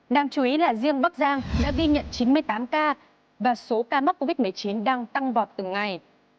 đáng chú ý là riêng bắc giang đã ghi nhận chín mươi tám ca và số ca mắc covid một mươi chín đang tăng vọt từng ngày